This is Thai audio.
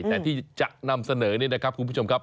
แต่ที่จะนำเสนอนี่นะครับคุณผู้ชมครับ